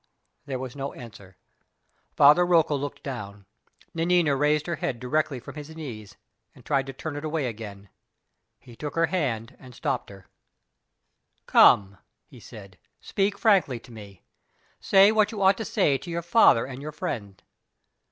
There was no answer. Father Rocco looked down. Nanina raised her head directly from his knees, and tried to turn it away again. He took her hand and stopped her. "Come!" he said; "speak frankly to me. Say what you ought to say to your father and your friend.